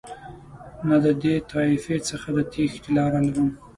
نه د دې طایفې څخه د تېښتې لاره لرم.